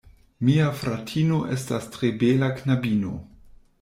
Mia fratino estas tre bela knabino.